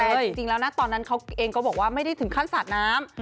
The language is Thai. แต่จริงแล้วนะตอนนั้นเขาเองก็บอกว่าไม่ได้ถึงขั้นสาดน้ำ